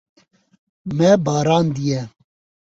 Me barandiye.